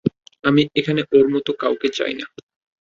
আমি এখানে ওর মতো কাউকে চাই না।